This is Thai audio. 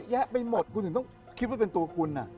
ไปหมดคุณถึงต้องคิดว่าเป็นตัวคุณ